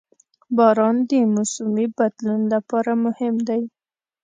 • باران د موسمي بدلون لپاره مهم دی.